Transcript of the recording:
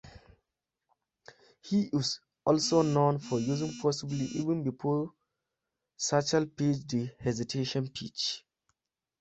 He is also known for using, possibly even before Satchel Paige, the hesitation pitch.